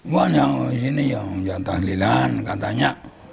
banyak yang di sini yang jatah lilan katanya